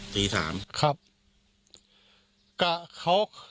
ตี๓ครับ